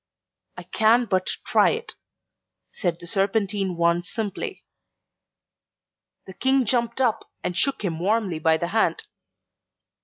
"I can but try it," said the serpentine one simply. The King jumped up and shook him warmly by the hand.